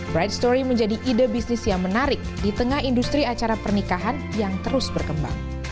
bright story menjadi ide bisnis yang menarik di tengah industri acara pernikahan yang terus berkembang